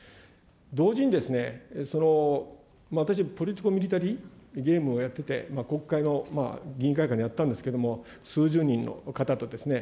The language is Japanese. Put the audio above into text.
同時に、私、ポリティコミリタリーゲームをやってて、国会の議員会館でやったんですけれども、数十人の方と。